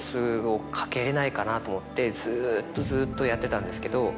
ずっとずっとやってたんですけど